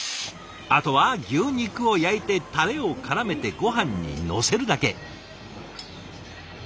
あとは牛肉を焼いてタレをからめてごはんにのせるだけ。